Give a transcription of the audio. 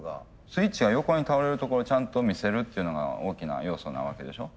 スイッチが横に倒れるところをちゃんと見せるっていうのが大きな要素なわけでしょ？